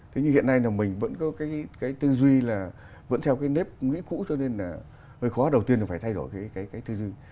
thế nhưng hiện nay là mình vẫn có cái tư duy là vẫn theo cái nếp nghĩ cũ cho nên là hơi khó đầu tiên là phải thay đổi cái tư duy